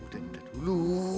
ya udah ya udah dulu